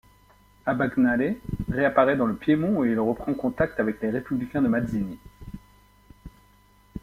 Abbagnale réapparaît dans le Piémont et il reprend contacts avec les républicains de Mazzini.